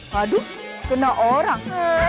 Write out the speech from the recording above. waduh kena orang